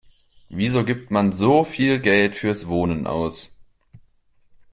Wieso gibt man so viel Geld fürs Wohnen aus?